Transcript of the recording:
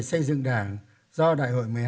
xây dựng đảng do đại hội một mươi hai